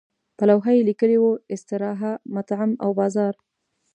پر لوحه یې لیکلي وو استراحه، مطعم او بازار.